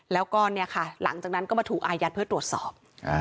แล้วก็เนี่ยค่ะหลังจากนั้นก็มาถูกอายัดเพื่อตรวจสอบ